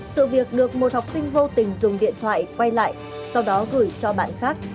sự việc được một học sinh vô tình dùng điện thoại quay lại sau đó gửi cho bạn khác